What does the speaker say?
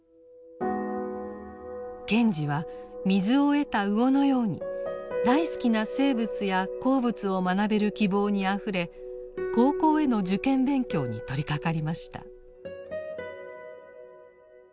賢治は水を得た魚のように大好きな生物や鉱物を学べる希望にあふれ高校への受験勉強に取りかかりました。